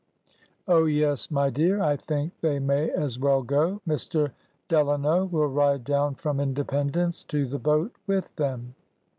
"'' Oh, yes, my dear, I think they may as well go. Mr. Delano will ride down from Independence to the boat with them."